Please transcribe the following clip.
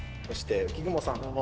そして浮雲さん。